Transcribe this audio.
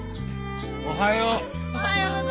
おはよう。